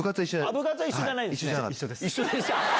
部活は一緒じゃないんですか。